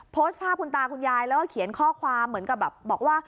โพสต์ภาพคุณตาคุณยายแล้วก็เขียนข้อความเหมือนกับแบบบอกว่า